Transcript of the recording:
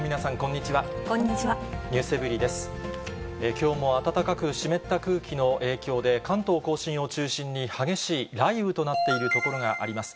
きょうも暖かく湿った空気の影響で、関東甲信を中心に激しい雷雨となっている所があります。